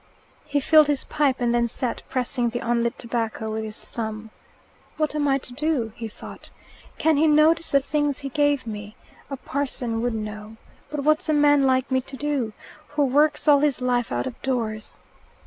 He filled his pipe, and then sat pressing the unlit tobacco with his thumb. "What am I to do?" he thought. "Can he notice the things he gave me? A parson would know. But what's a man like me to do, who works all his life out of doors?"